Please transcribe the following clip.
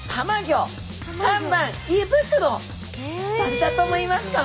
どれだと思いますか？